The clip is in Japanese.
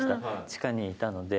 地下にいたので。